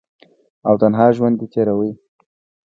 او تنها ژوند ئې تيرولو ۔